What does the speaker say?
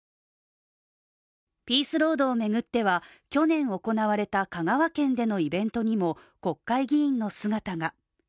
ピースロードを巡っては去年行われた香川県でのイベントにも国会議員の姿が。